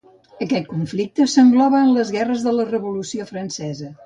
Aquest conflicte s'engloba en les Guerres de la Revolució Francesa.